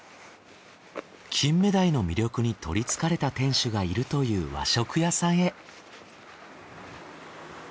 金目鯛の魅力に取り憑かれた店主がいるという和食屋さんへ。